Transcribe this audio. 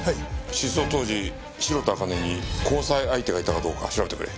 失踪当時白田朱音に交際相手がいたかどうか調べてくれ。